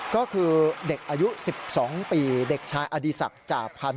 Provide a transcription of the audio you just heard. ก็คือเด็กอายุ๑๒ปีเด็กชายอดีศักดิ์จ่าพันธ